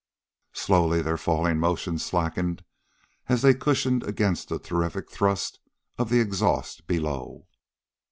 Slowly their falling motion slackened as they cushioned against the terrific thrust of the exhaust below.